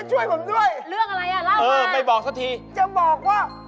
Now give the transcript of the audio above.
เจ๊ดีกว่าเจ๊ดีกว่า